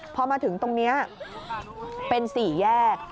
พอมาถึงตรงนี้เป็น๔แยก